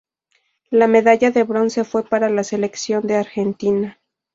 La medalla de Bronce fue para la selección de Argentina.